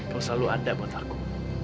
kau selalu ada buat aku